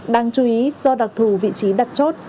đáng chú ý do đặc thù vị trí đặt chốt